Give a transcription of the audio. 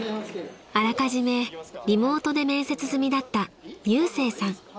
［あらかじめリモートで面接済みだったゆうせいさん］